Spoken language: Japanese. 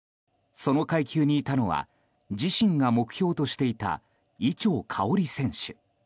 その階級にいたのは自身が目標としていた伊調馨選手。